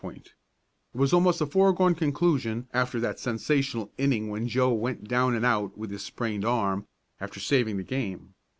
It was almost a foregone conclusion after that sensational inning when Joe went down and out with his sprained arm, after saving the game.